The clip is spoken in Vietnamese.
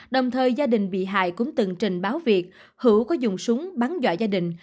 đồng thời gia đình bị hại cũng từng trình báo việc hữu có dùng súng bắn dọa gia đình